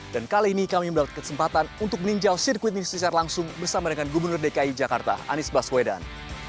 dan kali ini kami mendapat kesempatan untuk meninjau sirkuit indonesia langsung bersama dengan gubernur dki jakarta anies baswedan